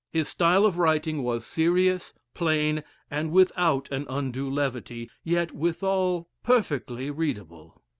His style of writing was serious, plain, and without an undue levity, yet withal perfectly readable.